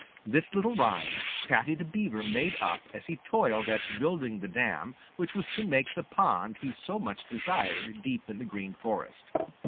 This little rhyme Paddy the Beaver made up as he toiled at building the dam which was to make the pond he so much desired deep in the Green Forest.